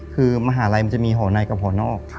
คือมหาลัยมันจะมีห่อในกับห่อนอก